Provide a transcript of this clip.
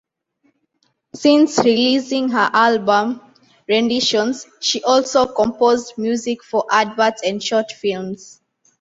Since releasing her album, 'Renditions', she also composed music for adverts and short films.